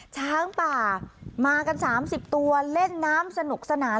ช้างป่ามากัน๓๐ตัวเล่นน้ำสนุกสนาน